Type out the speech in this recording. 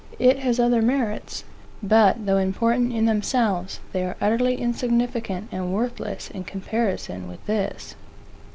It has other merits; but, though important in themselves, they are utterly insignificant and worthless in comparison with this.